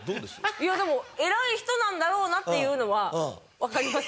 いやでも偉い人なんだろうなっていうのはわかります。